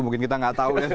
mungkin kita nggak tahu ya